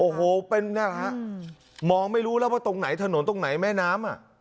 โอ้โหมองไม่รู้แล้วว่าตรงไหนถนนตรงไหนแม่น้ำ